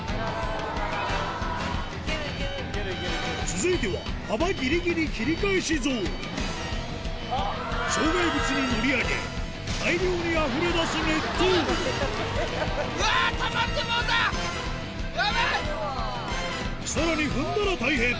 続いては幅ギリギリ切り返しゾーン障害物に乗り上げ大量にさらに踏んだら大変！